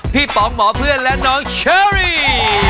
ป๋องหมอเพื่อนและน้องเชอรี่